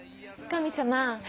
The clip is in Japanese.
神様